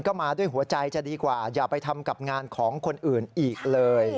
ก็มาด้วยหัวใจจะดีกว่าอย่าไปทำกับงานของคนอื่นอีกเลย